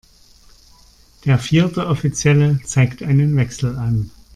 Der vierte Offizielle zeigt einen Wechsel an.